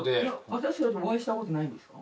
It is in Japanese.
私たちお会いしたことないんですか？